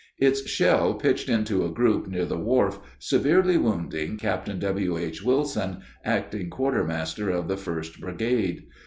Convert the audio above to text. Its shell pitched into a group near the wharf, severely wounding Captain W.H. Wilson, acting quartermaster of the First Brigade.